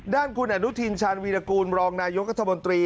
ด้านคุณอนุทินชาญวีรกูลรองนายกัธมนตรี